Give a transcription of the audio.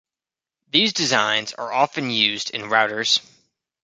These designs are often used in routers.